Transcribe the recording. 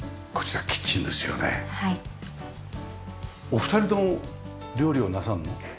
お二人とも料理をなさるの？